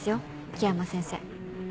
樹山先生。